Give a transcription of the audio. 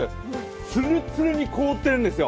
ツルツルに凍ってるんですよ。